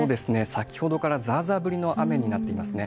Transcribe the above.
先ほどからざーざー降りの雨になっていますね。